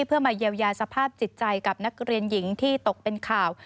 เพื่อมาเยียวยาสภาพจิตใจกับนักเรียนหญิงที่ตกเป็นข่าว